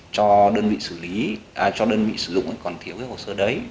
cho đơn vị sử dụng còn thiếu hồ sơ đấy